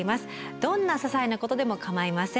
どんなささいなことでも構いません。